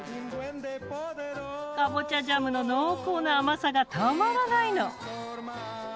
かぼちゃジャムの濃厚な甘さがたまらないの。